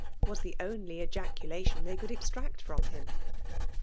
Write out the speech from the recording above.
— ^was the only ejaculation they could extract from him.